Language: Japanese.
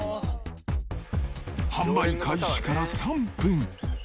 販売開始から３分。